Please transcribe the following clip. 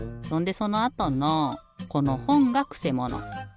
そんでそのあとのこのほんがくせもの。